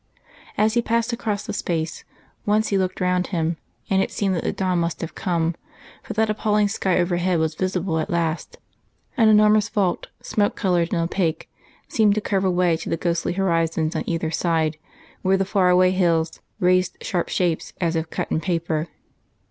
As he passed across the space, once he looked round him, and it seemed that the dawn must have come, for that appalling sky overhead was visible at last. An enormous vault, smoke coloured and opaque, seemed to curve away to the ghostly horizons on either side where the far away hills raised sharp shapes as if cut in paper.